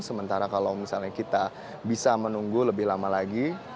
sementara kalau misalnya kita bisa menunggu lebih lama lagi